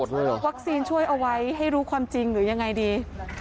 วัคซีนช่วยเอาไว้ให้รู้ความจริงหรือยังไงดี